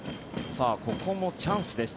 ここもチャンスです。